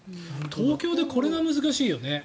東京ってこれが難しいよね。